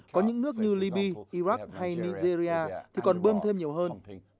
có những nước như liby iraq hay nigeria thì còn bơm thêm nhiều hơn